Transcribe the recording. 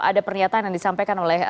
ada pernyataan yang disampaikan oleh